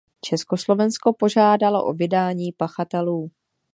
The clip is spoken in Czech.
Československo požádalo o vydání pachatelů.